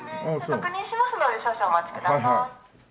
確認しますので少々お待ちください。